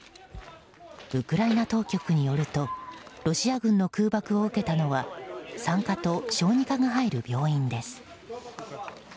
ウクライナ当局によるとロシア軍の空爆を受けたのは産科と小児科が入る病院です。